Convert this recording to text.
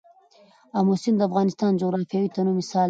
آمو سیند د افغانستان د جغرافیوي تنوع مثال دی.